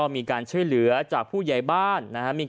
มีการช่วยเหลือจากผู้ใหญ่บ้าน